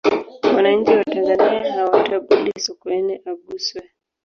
wananchi wa tanzania hawatabuli sokoine aguswe